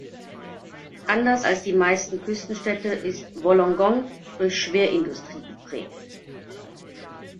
Anders als die meisten Küstenstädte ist Wollongong durch Schwerindustrie geprägt.